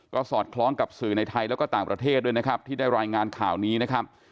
ก็สอดคล้องกับสื่อในไทยแล้วก็ต่างประเทศด้วยนะครับที่ได้รายงานข่าวนี้นะครับ